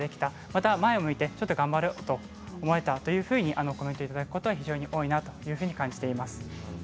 また前を向いて頑張ろうと思えたというふうにコメントをいただくことは非常に多いと感じています。